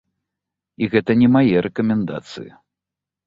І гэта не мае рэкамендацыі.